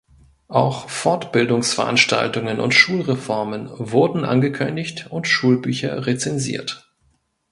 Auch Fortbildungsveranstaltungen und Schulreformen wurden angekündigt und Schulbücher rezensiert.